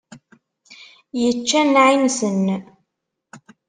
Yečča nneεi-nsent.